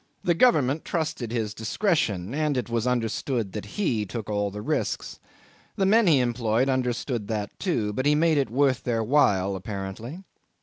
The Government trusted his discretion, and it was understood that he took all the risks. The men he employed understood that too, but he made it worth their while apparently.